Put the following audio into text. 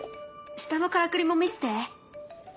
下のからくりも見せて。